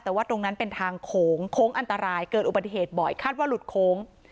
แต่ว่าตรงนั้นเป็นทางโขงโค้งอันตรายเกิดอุบัติเหตุบ่อยคาดว่าหลุดโค้ง